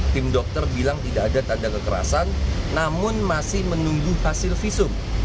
tim dokter bilang tidak ada tanda kekerasan namun masih menunggu hasil visum